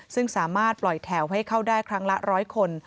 ซึ่งสามารถปล่อยแถวให้เข้าได้ครั้งละ๑๐๐คน